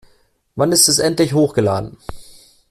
Wann ist es endlich hochgeladen?